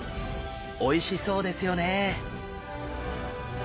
おいしそうですよね。